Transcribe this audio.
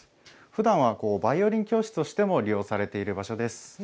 ふだんはバイオリン教室としても利用されている場所です。